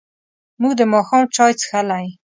موږ د ماښام چای څښلی.